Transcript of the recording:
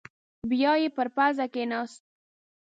بيايې پر پزه کېناست.